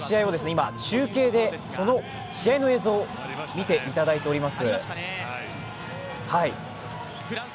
今、中継でその試合の映像を見ていただいております。